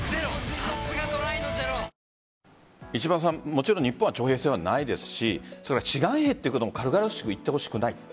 もちろん日本は徴兵制はないですし志願兵ということも軽々しく言ってほしくない。